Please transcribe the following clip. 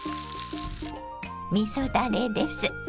みそだれです。